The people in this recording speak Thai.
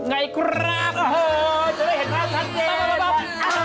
ไงครับโอ้โฮจะได้เห็นภาพทักเกตค่ะโอ้โฮจริง